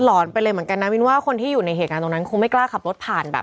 อนไปเลยเหมือนกันนะวินว่าคนที่อยู่ในเหตุการณ์ตรงนั้นคงไม่กล้าขับรถผ่านแบบ